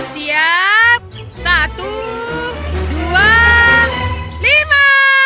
siap satu dua lima